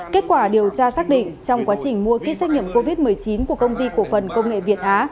kết quả điều tra xác định trong quá trình mua kết xác nhiệm covid một mươi chín của công ty cổ phần công nghệ việt á